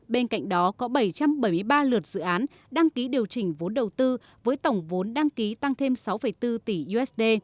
bên cạnh đó có bảy trăm bảy mươi ba lượt dự án đăng ký điều chỉnh vốn đầu tư với tổng vốn đăng ký tăng thêm sáu bốn tỷ usd